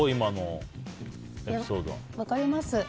分かります。